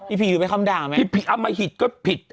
อีพี่ดูเป็นคำด่าไม่ได้ไหมพี่พี่อัมภิษฐ์ก็ผิด